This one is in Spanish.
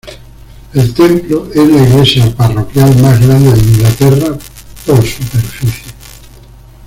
El templo es la iglesia parroquial más grande de Inglaterra por superficie.